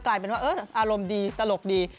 กลายเป็นว่าอารมณ์ดีตลกดี